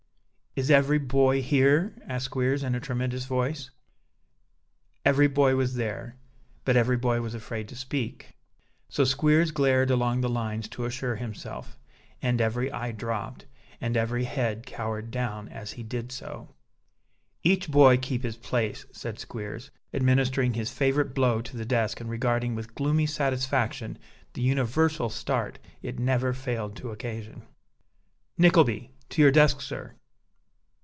"Is every boy here?" asked Squeers, in a tremendous voice. Every boy was there, but every boy was afraid to speak; so Squeers glared along the lines to assure himself; and every eye dropped, and every head cowered down, as he did so. "Each boy keep his place," said Squeers, administering his favourite blow to the desk and regarding with gloomy satisfaction the universal start it never failed to occasion. "Nickleby! to your desk, sir."